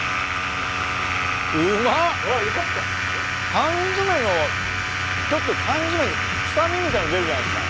缶詰のちょっと缶詰って臭みみたいなの出るじゃないっすか。